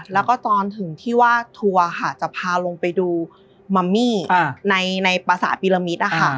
แล้วก็ตอนถึงที่ว่าทัวร์ค่ะจะพาลงไปดูมัมมี่ในภาษาปีละมิตร